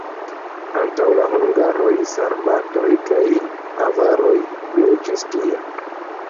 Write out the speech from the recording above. Antaŭ la hungaroj sarmatoj kaj avaroj loĝis tie.